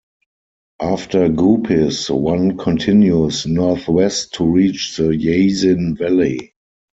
After Gupis, one continues northwest to reach the Yasin Valley.